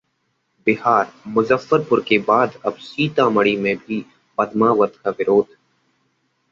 बिहार: मुजफ्फरपुर के बाद अब सीतामढी में भी 'पद्मावत' का विरोध